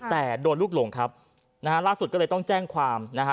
แต่โดนลูกหลงครับนะฮะล่าสุดก็เลยต้องแจ้งความนะฮะ